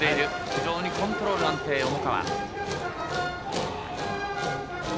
非常にコントロール安定、重川。